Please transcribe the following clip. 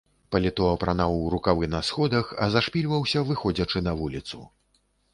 Паліто апранаў у рукавы на сходах, а зашпільваўся выходзячы на вуліцу.